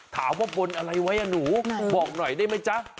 ถามว่าบนอะไรไว้อ่ะหนูบอกหน่อยได้ไหมจ๊ะ